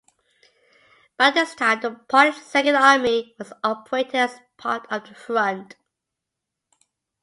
By this time the Polish Second Army was operating as part of the Front.